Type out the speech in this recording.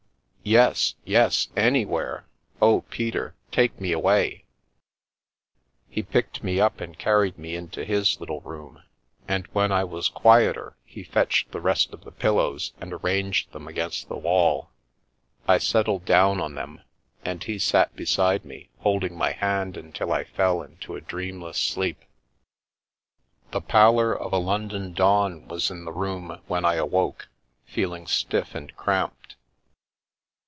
" Yes, yes, anywhere ! Oh, Peter, take me away !" He picked me up and carried me into his little room, and when I was quieter he fetched the rest of the pillows and arranged them against the wall. I settled down on them and he sat beside me, holding my hand until I fell into a dreamless sleep. The pallor of a London dawn was in the room when I awoke, feeling stiff and cramped.